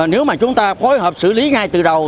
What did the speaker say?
nếu mà chúng ta phối hợp xử lý ngay từ đầu